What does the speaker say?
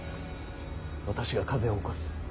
私が風を起こす。